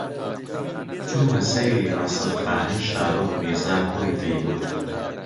چوومە سەیری ڕەسەدخانەی شاروخ میرزا، کوڕی تەیموور